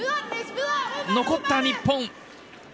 残った、日本。